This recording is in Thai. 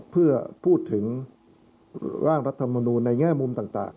เพื่อพูดถึงร่างรัฐมนูลในแง่มุมต่าง